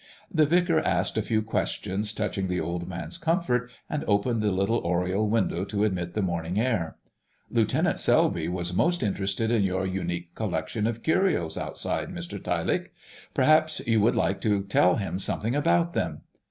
The vicar asked a few questions touching the old man's comfort, and opened the little oriel window to admit the morning air. "Lieutenant Selby was most interested in your unique collection of curios outside, Mr Tyelake. Perhaps you would like to tell him something about them."